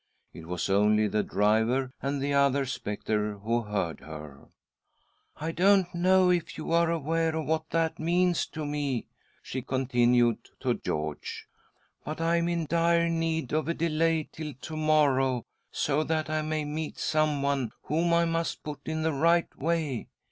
It was only the driver and the other spectre who heard her. " I don't know if you are aware of what that means to me," she continued to George, " but I am in dire need of a delay till to morrow so that I may meet someone whom I must put in the right way.